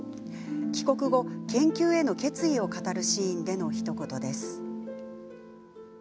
帰国後、研究への決意を語るシーンでの、ひと言です。